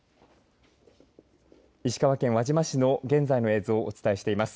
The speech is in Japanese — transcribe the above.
石川県輪島市の現在の映像をお伝えしています。